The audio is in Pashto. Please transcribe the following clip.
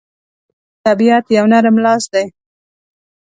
ګلاب د طبیعت یو نرم لاس دی.